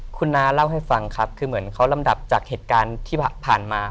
คุณน้าเล่าให้ฟังครับคือเหมือนเขาลำดับจากเหตุการณ์ที่ผ่านมา